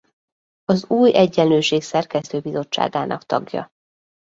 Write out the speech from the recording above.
Az Új Egyenlőség szerkesztőbizottságának tagja.